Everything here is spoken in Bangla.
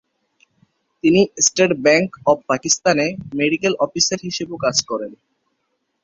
তিনি স্টেট ব্যাংক অব পাকিস্তানে মেডিকেল অফিসার হিসেবেও কাজ করেন।